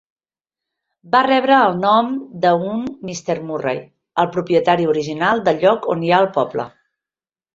Va rebre el nom de un Mr. Murray, el propietari original del lloc on hi ha el poble.